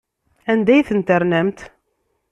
Anda ay ten-ternamt?